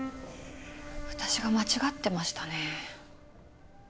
私が間違ってましたね。